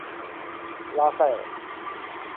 拉塞尔。